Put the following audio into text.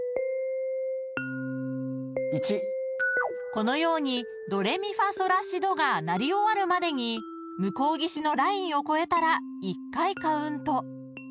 ［このように「ドレミファソラシド」が鳴り終わるまでに向こう岸のラインを越えたら１回カウント］